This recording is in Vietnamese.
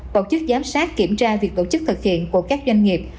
tổ chức giám sát kiểm tra việc tổ chức thực hiện của các doanh nghiệp